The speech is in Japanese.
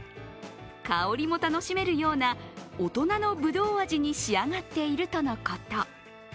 香りも楽しめるような大人のぶどう味に仕上がっているとのこと。